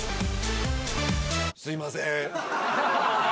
すいません。